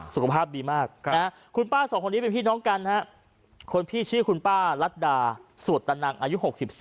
สุขภาพดีมากคุณป้าสองคนนี้เป็นพี่น้องกันคนพี่ชื่อคุณป้ารัฐดาสวดตะนังอายุ๖๔